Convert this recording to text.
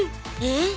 えっ？